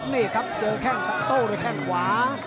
นี่ครับเจอแค่งโต้หรือแค่งขวา